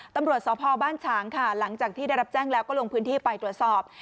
ตำรวจสพบ้านฉางค่ะหลังจากที่ได้รับแจ้งแล้วก็ลงพื้นที่ไปตรวจสอบ